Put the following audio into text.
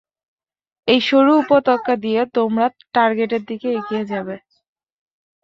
এই সরু উপত্যকা দিয়ে তোমরা টার্গেটের দিকে এগিয়ে যাবে।